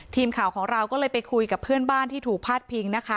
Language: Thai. ทีมข่าวของเราก็เลยไปคุยกับเพื่อนบ้านที่ถูกพาดพิงนะคะ